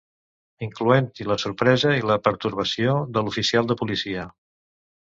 incloent-hi la sorpresa i la pertorbació de l'oficial de policia